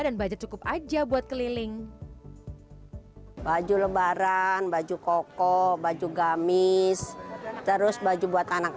dan budget cukup aja buat keliling baju lebaran bajuamong kokoh baju gamis terus baju buat anak